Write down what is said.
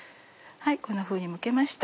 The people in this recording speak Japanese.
こんなふうにむけました。